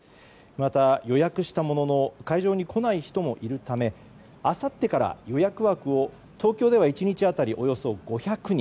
また、予約したものの会場に来ない人もいるためあさってから予約枠を東京では１日当たり、およそ５００人